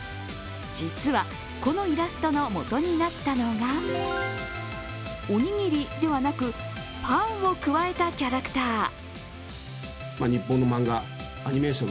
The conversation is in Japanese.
実は、このイラストの元になったのがおにぎりではなく、パンをくわえたキャラクター。